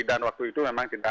dan waktu itu memang tidak